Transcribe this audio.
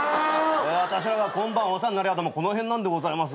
私らが今晩お世話になる宿もこの辺なんでございますが。